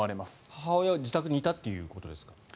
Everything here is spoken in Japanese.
母親は自宅にいたということですか？